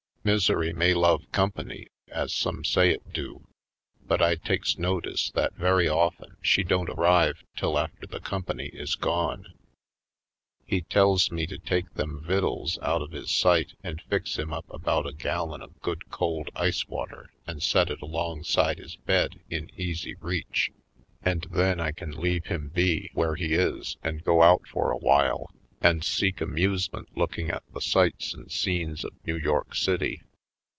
Misery may love com pany, as some say it do, but I takes notice that very often she don't arrive till after the company is gone. He tells me to take them vittles out of his sight and fix him up about a gallon of good cold ice water and set it alongside his bed in easy reach and then I can leave him be where he is and go on out for awhile and 62 /. Poindexterj Colored seek amusement looking at the sights and scenes of New York City.